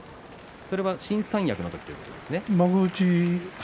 それは新三役の時ということですね。